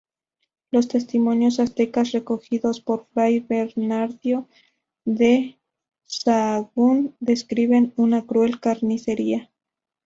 Los testimonios aztecas recogidos por Fray Bernardino de Sahagún describen una cruel carnicería.